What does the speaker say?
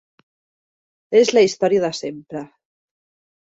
És la història de sempre.